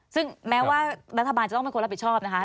ซึ่งแม้ว่ารัฐบาลจะต้องเป็นคนรับผิดชอบนะคะ